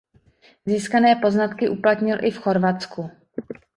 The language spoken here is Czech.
Získané poznatky uplatnil i v Chorvatsku.